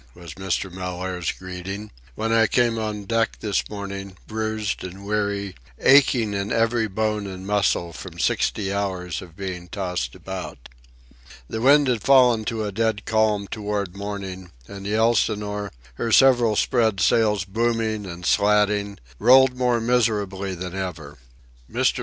was Mr. Mellaire's greeting, when I came on deck this morning, bruised and weary, aching in every bone and muscle from sixty hours of being tossed about. The wind had fallen to a dead calm toward morning, and the Elsinore, her several spread sails booming and slatting, rolled more miserably than ever. Mr.